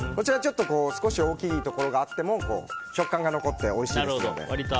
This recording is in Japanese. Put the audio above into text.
少し大きいところがあっても食感が残って美味しいですので。